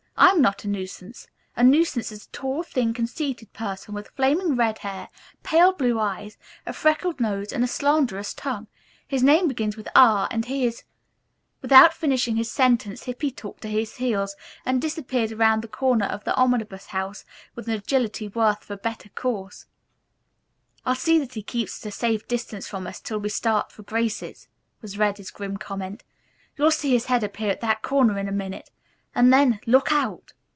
I am not a nuisance. A nuisance is a tall, thin, conceited person with flaming red hair, pale blue eyes, a freckled nose and a slanderous tongue. His name begins with R and he is " Without finishing his sentence Hippy took to his heels and disappeared around the corner of the Omnibus House, with an agility worthy of a better cause. "I'll see that he keeps at a safe distance from us till we start for Grace's," was Reddy's grim comment. "You'll see his head appear at that corner in a minute, and then, look out!"